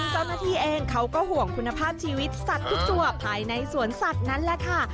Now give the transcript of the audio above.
เจ้าหน้าที่เองเขาก็ห่วงคุณภาพชีวิตสัตว์ทุกตัวภายในสวนสัตว์นั่นแหละค่ะ